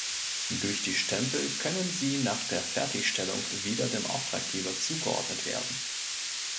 Durch die Stempel können sie nach der Fertigstellung wieder dem Auftraggeber zugeordnet werden.